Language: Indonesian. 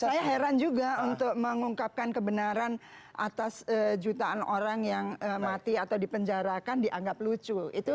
saya heran juga untuk mengungkapkan kebenaran atas jutaan orang yang mati atau dipenjarakan dianggap lucu